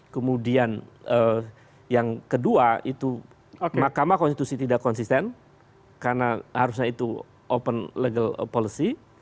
kemudian yang kedua itu makamah konstitusi tidak konsisten karena harusnya itu open legal policy